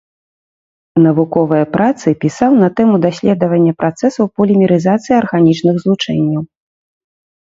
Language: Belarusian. Навуковыя працы пісаў на тэму даследавання працэсаў полімерызацыі арганічных злучэнняў.